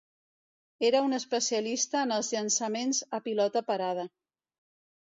Era un especialista en els llançaments a pilota parada.